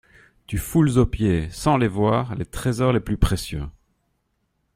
Tu foules aux pieds, sans les voir, les trésors les plus précieux.